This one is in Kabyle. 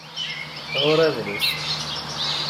Ɣur-i adlis